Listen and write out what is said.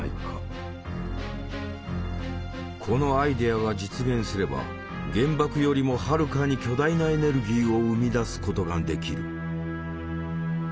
このアイデアが実現すれば原爆よりもはるかに巨大なエネルギーを生み出すことができる。